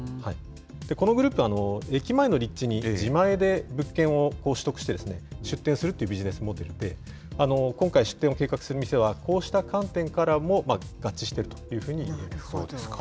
このグループは、駅前の立地に自前で物件を取得して、出店するというビジネスモデルで、今回、出店を計画する店は、こうした観点からも合致しているというふうに見ています。